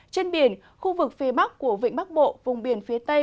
trên biển khu vực phía bắc của vịnh bắc bộ vùng biển phía tây